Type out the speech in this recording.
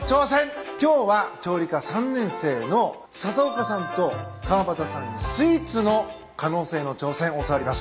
今日は調理科３年生の笹岡さんと川端さんにスイーツの可能性への挑戦教わります。